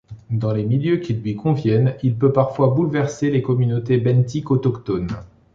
Dans les milieux qui lui conviennent, il peut parfois bouleverser les communautés benthiques autochtones.